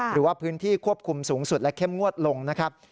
หรือว่าพื้นที่ควบคุมสูงสุดและเข้มงวดลงนะครับ